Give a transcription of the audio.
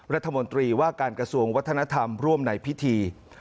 รัฐมนตรีว่าการกระทรวงวัฒนธรรมร่วมในพิธี